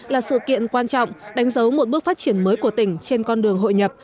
là sự kiện quan trọng đánh dấu một bước phát triển mới của tỉnh trên con đường hội nhập